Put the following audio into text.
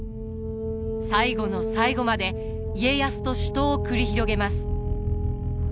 最後の最後まで家康と死闘を繰り広げます。